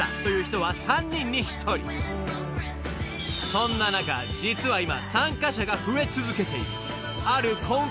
［そんな中実は今］